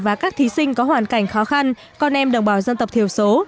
và các thí sinh có hoàn cảnh khó khăn con em đồng bào dân tộc thiểu số